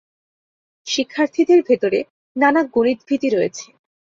শিক্ষার্থীদের ভেতরে নানা গণিতভীতি রয়েছে।